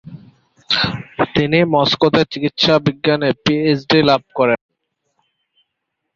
তিনি মস্কোতে চিকিৎসা বিজ্ঞানে পিএইচডি লাভ করেন।